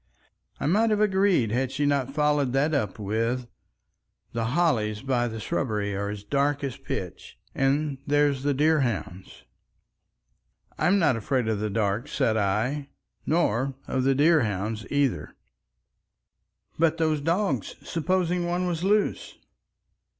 I might have agreed had she not followed that up with, "The hollies by the shrubbery are as dark as pitch. And there's the deer hounds." "I'm not afraid of the dark," said I. "Nor of the deer hounds, either." "But those dogs! Supposing one was loose!"